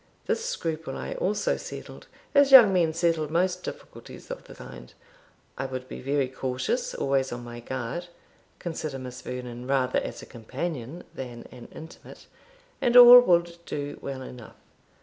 This scruple I also settled as young men settle most difficulties of the kind I would be very cautious, always on my guard, consider Miss Vernon rather as a companion than an intimate; and all would do well enough.